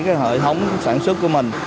cái hệ thống sản xuất của mình